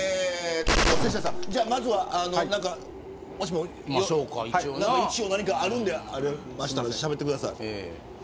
瀬下さん、まずは一応何かあるのでありましたらしゃべってください。